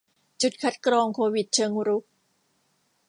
จุดคัดกรองโควิดเชิงรุก